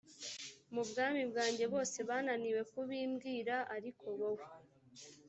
mu bwami bwanjye bose bananiwe kubimbwira l ariko wowe